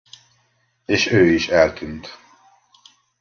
És ő is eltűnt.